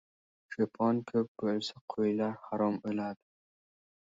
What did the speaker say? • Cho‘pon ko‘p bo‘lsa qo‘ylar harom o‘ladi.